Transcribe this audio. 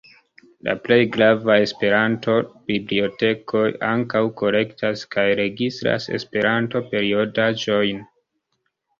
La plej gravaj Esperanto-bibliotekoj ankaŭ kolektas kaj registras Esperanto-periodaĵojn.